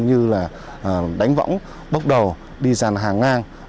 như là đánh võng bốc đầu đi dàn hàng ngang